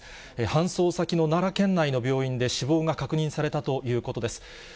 搬送先の奈良県内の病院で死亡が確認されたということです。